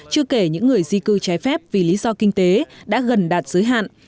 chưa kể những người di cư trái phép vì lý do kinh tế đã gần đạt giới hạn